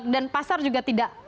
dan pasar juga tidak